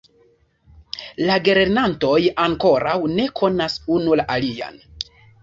La gelernantoj ankoraŭ ne konas unu la alian.